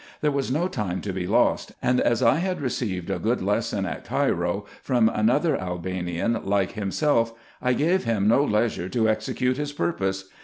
There was no time to be lost ; and as I had received a good lesson at Cairo from another Albanian like himself, I gave him no leisure to execute his purpose.